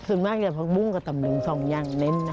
ส่วนมากจะพรรคบุ้งกับตำรึง๒อย่างเน้น